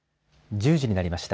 １０時になりました。